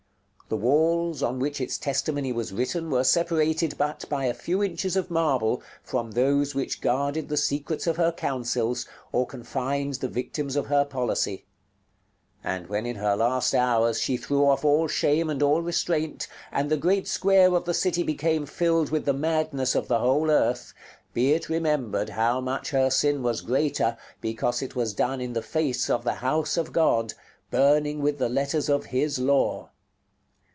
The walls on which its testimony was written were separated but by a few inches of marble from those which guarded the secrets of her councils, or confined the victims of her policy. And when in her last hours she threw off all shame and all restraint, and the great square of the city became filled with the madness of the whole earth, be it remembered how much her sin was greater, because it was done in the face of the House of God, burning with the letters of His Law.